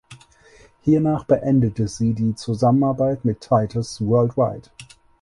Hiernach beendete sie die Zusammenarbeit mit Titus Worldwide.